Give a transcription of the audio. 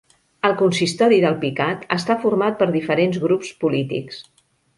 El consistori d'Alpicat està format per diferents grups polítics